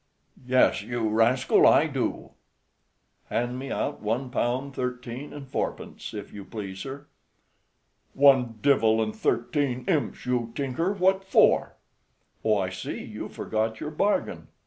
"Yes, you rascal, I do." "Hand me out one pound thirteen and fourpence, if you please, sir." "One divil and thirteen imps, you tinker! what for?" "Oh, I see, you've forgot your bargain.